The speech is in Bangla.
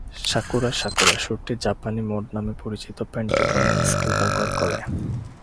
"সাকুরা সাকুরা" সুরটি জাপানি মোড নামে পরিচিত পেন্টাটোনিক স্কেল ব্যবহার করে।